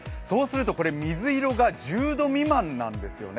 これ、水色が１０度未満なんですよね。